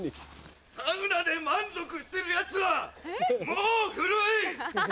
サウナで満足するヤツはもう古い！